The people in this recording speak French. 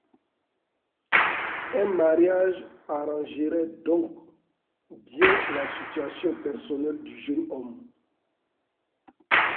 Un mariage arrangerait donc bien la situation personnelle du jeune homme.